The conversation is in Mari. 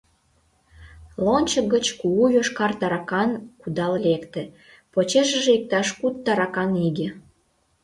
Лончо гыч кугу йошкар таракан кудал лекте, почешыже иктаж куд таракан иге.